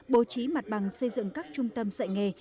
bố trí mặt bằng xây dựng các trung tâm dạy nghề